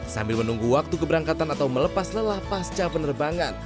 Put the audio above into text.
sambil menunggu waktu keberangkatan atau melepas lelah pasca penerbangan